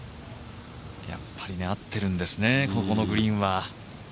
やっぱり合ってるんですね、ここのグリーンは。